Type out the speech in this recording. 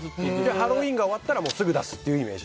ハロウィーンが終わったらすぐ出すってイメージ？